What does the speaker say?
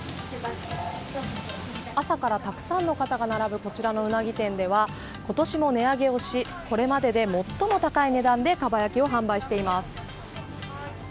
朝からたくさんの方が並ぶこちらのウナギ店では今年も値上げをしこれまでで最も高い値段でかば焼きを販売しています。